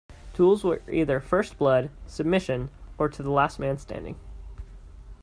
Duels were either first-blood, submission, or to the last man standing.